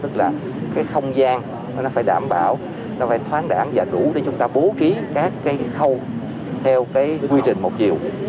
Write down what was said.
tức là cái không gian nó phải đảm bảo nó phải thoáng đẳng và đủ để chúng ta bố trí các cái khâu theo cái quy trình một chiều